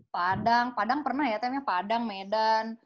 padang padang pernah ya tem ya padang medan